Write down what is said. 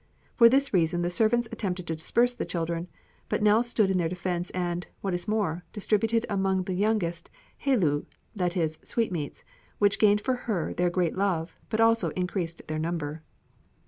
For this reason the servants attempted to disperse the children, but Nell stood in their defense and, what is more, distributed among the youngest "helou," that is, sweetmeats, which gained for her their great love but also increased their number.